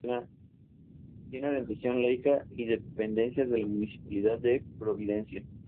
Tiene orientación laica y dependencia de la Municipalidad de Providencia.